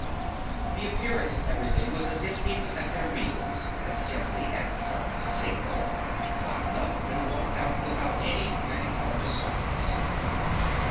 The appearance of everything was as if people at their meals had simply, at some signal, gotten up and walked out without any panic or disturbance.